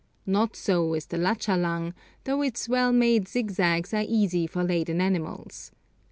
Not so is the Lachalang, though its well made zigzags are easy for laden animals.